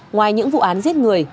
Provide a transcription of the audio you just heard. ngoài những vụ án giết người